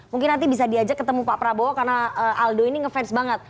mungkin nanti bisa diajak ketemu pak prabowo karena aldo ini ngefans banget